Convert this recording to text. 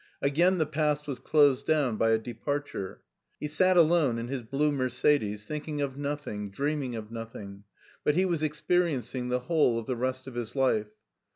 Again the past was closed down by a departure. He sat alone in his blue Mercedes thinking of nothing, dreaming of nothing, but he was experiencing the whole of the rest of his life.